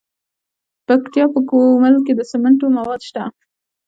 د پکتیکا په ګومل کې د سمنټو مواد شته.